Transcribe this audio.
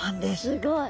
すごい！